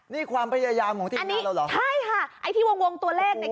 นี่ความพยายามของทีมนี้เราเหรอใช่ค่ะไอ้ที่วงวงตัวเลขเนี่ย